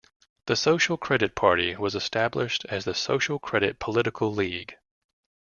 The Social Credit Party was established as the Social Credit Political League.